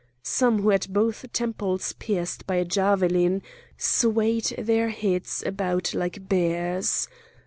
Some who had both temples pierced by a javelin swayed their heads about like bears.